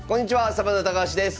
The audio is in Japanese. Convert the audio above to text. サバンナ高橋です。